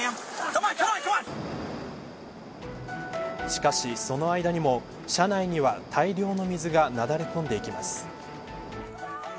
しかし、その間にも車内には大量の水がなだれ込んでいきます。